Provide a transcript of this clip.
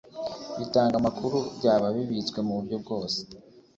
bitanga amakuru byaba bibitswe mu buryo bwose